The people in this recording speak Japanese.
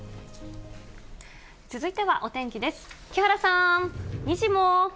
続いてはお天気です。